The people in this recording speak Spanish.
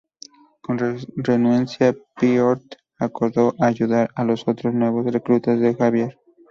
Con renuencia, Piotr acordó ayudar a los otros nuevos reclutas de Xavier.